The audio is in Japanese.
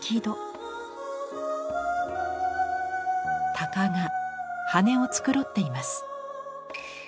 タカが羽を繕っています。